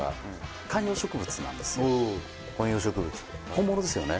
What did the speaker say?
本物ですよね？